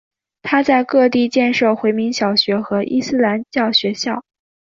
他在各地建设回民小学和伊斯兰教学校。